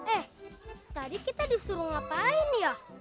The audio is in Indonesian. eh tadi kita disuruh ngapain ya